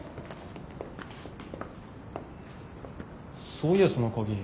そういやその鍵